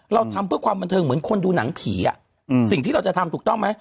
เราทำเพื่อความบันเทิงเหมือนคนดูหนังผีสิ่งที่เราจะทำถูกต้องไหม